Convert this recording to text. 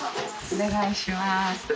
お願いします。